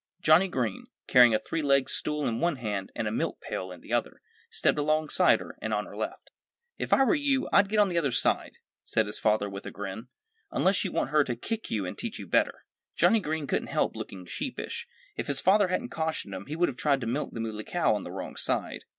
Johnnie Green, carrying a three legged stool in one hand and a milk pail in the other, stepped alongside her, on her left. "If I were you, I'd get on the other side," said his father with a grin, "unless you want her to kick you and teach you better." Johnnie Green couldn't help looking sheepish. If his father hadn't cautioned him he would have tried to milk the Muley Cow on the wrong side.